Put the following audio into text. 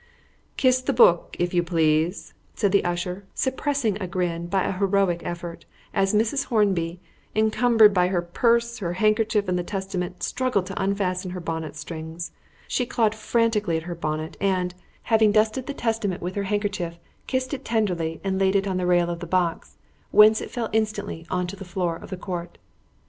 "Kiss the Book, if you please," said the usher, suppressing a grin by an heroic effort, as Mrs. Hornby, encumbered by her purse, her handkerchief and the Testament, struggled to unfasten her bonnet strings. She clawed frantically at her bonnet, and, having dusted the Testament with her handkerchief, kissed it tenderly and laid it on the rail of the box, whence it fell instantly on to the floor of the court.